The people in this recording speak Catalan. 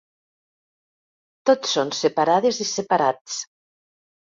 Tots són separades i separats.